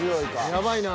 やばいな。